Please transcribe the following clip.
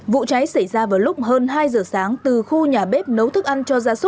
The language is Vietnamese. vụ cháy xảy ra vào lúc hơn hai giờ sáng từ khu nhà bếp nấu thức ăn cho gia súc